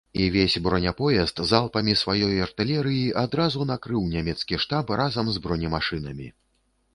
І вось браняпоезд залпамі сваёй артылерыі адразу накрыў нямецкі штаб разам з бронемашынамі.